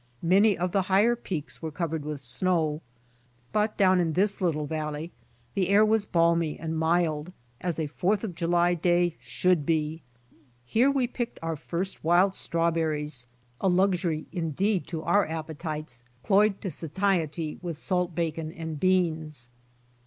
Many of the higher peaks were covered with snow, but down in this little valley the air was balmy and mild as a Fourth of July day should be. Here we picked our first wild strawberries, a luxury indeed to our appetites cloyed to satiety with salt bacon and beans.